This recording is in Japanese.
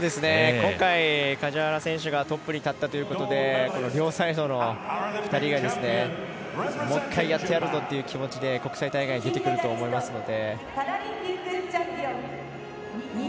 今回、梶原選手がトップに立ったということで両サイドの２人が、もう１回やってやるぞって気持ちで国際大会に出てくると思いますので。